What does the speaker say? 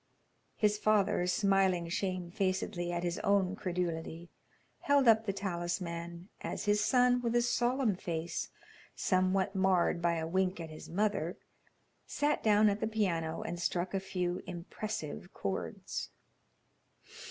His father, smiling shamefacedly at his own credulity, held up the talisman, as his son, with a solemn face, somewhat marred by a wink at his mother, sat down at the piano and struck a few impressive chords.